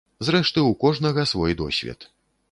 Зрэшты, у кожнага свой досвед.